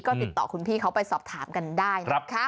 ก็ติดต่อคุณพี่เขาไปสอบถามกันได้นะคะ